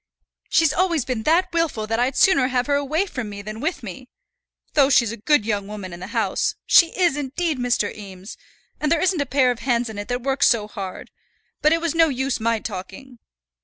She's always been that wilful that I'd sooner have her away from me than with me. Though she's a good young woman in the house, she is, indeed, Mr. Eames; and there isn't a pair of hands in it that works so hard; but it was no use my talking."